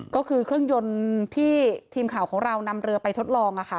ก็คือเครื่องยนต์ที่ทีมข่าวของเรานำเรือไปทดลอง